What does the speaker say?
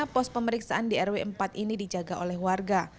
pos pemeriksaan di rw empat ini dijaga oleh warga